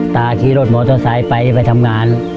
ตาขี้รถมอเตอร์สายไปไปทำงาน